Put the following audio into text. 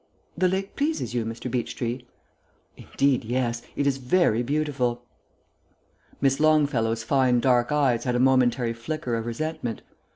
The lake pleases you, Mr. Beechtree?" "Indeed, yes. It is very beautiful." Miss Longfellow's fine dark eyes had a momentary flicker of resentment.